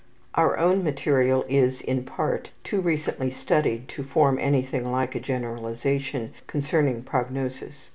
Our own material is, in part, too recently studied to form anything like a generalization concerning prognosis.